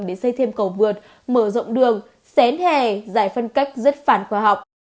để xây thêm cầu vượt mở rộng đường xén hè giải phân cách rất phản khoa học